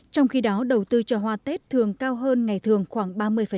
trong khi đó đầu tư cho hoa tết thường cao hơn ngày thường khoảng ba mươi